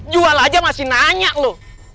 jual aja masih nanya loh